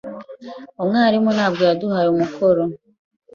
Umwarimu ntabwo yaduhaye umukoro.